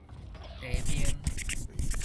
弊病